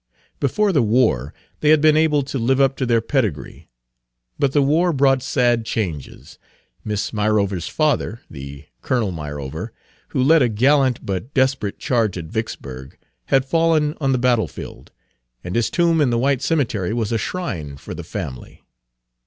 Before the war, they had been able to live up to their pedigree; but the war brought sad changes. Miss Myrover's father the Colonel Myrover who led a gallant but desperate charge at Vicksburg had fallen on the battlefield, and his tomb in the white cemetery was a shrine for the family.